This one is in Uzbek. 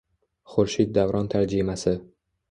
Xurshid Davron tarjimasi